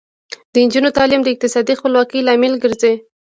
د نجونو تعلیم د اقتصادي خپلواکۍ لامل ګرځي.